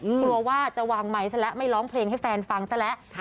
กลัวว่าจะวางไมค์ซะแล้วไม่ร้องเพลงให้แฟนฟังซะแล้ว